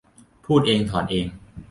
พูดเองถอนเอง